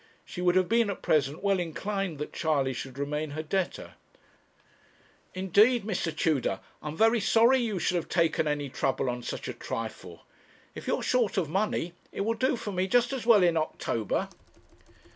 She would have been at present well inclined that Charley should remain her debtor. 'Indeed, Mr. Tudor, I am very sorry you should have taken any trouble on such a trifle. If you're short of money, it will do for me just as well in October.'